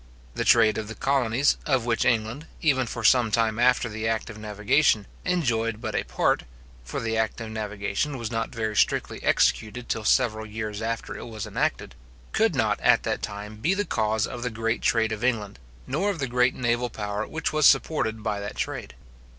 The trade of the colonies, of which England, even for some time after the act of navigation, enjoyed but a part (for the act of navigation was not very strictly executed till several years after it was enacted), could not at that time be the cause of the great trade of England, nor of the great naval power which was supported by that trade.